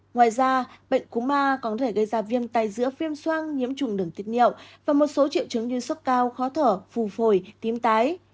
ngoài ra bệnh cô ma có thể gây ra viêm tai dữa viêm xoang nhiễm trùng đường tiệt niệm và một số triệu chứng như sốc cao khó thở phù phổi tim tái